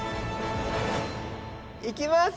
行きます。